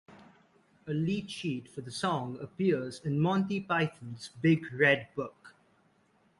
A lead sheet for the song appears in "Monty Python's Big Red Book".